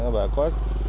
và có năm trăm sáu mươi